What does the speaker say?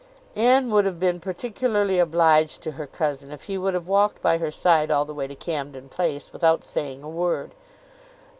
Anne would have been particularly obliged to her cousin, if he would have walked by her side all the way to Camden Place, without saying a word.